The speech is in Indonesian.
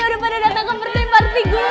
udah pada datang ke birthday party gue